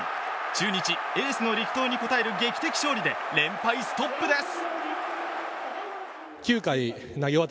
中日エースの力投に応える劇的勝利で連敗ストップです。